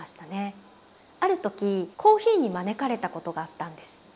ある時コーヒーに招かれたことがあったんです。